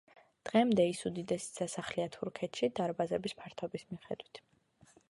დღემდე ის უდიდესი სასახლეა თურქეთში დარბაზების ფართობის მიხედვით.